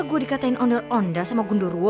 masa gue dikatain ondel onda sama gundo ruwo